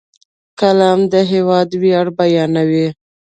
قلم د هېواد ویاړ بیانوي